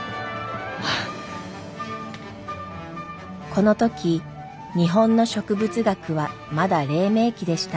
この時日本の植物学はまだ黎明期でした。